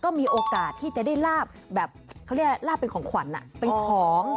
ก็มีโอกาสที่จะได้ลาบแบบเขาเรียกลาบเป็นของขวัญเป็นของ